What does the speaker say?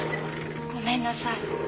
ごめんなさい。